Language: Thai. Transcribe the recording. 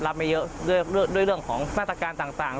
รับไม่เยอะด้วยเรื่องของมาตรการต่าง